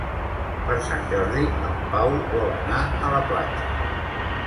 Per Sant Jordi en Pau vol anar a la platja.